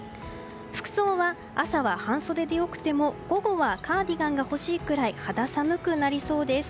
服装は、朝は半袖で良くても午後はカーディガンが欲しいくらい肌寒くなりそうです。